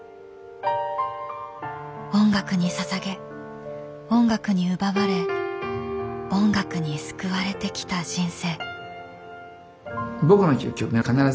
音楽にささげ音楽に奪われ音楽に救われてきた人生。